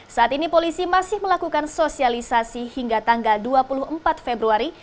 saat ini polisi masih melakukan sosialisasi hingga tanggal dua puluh empat februari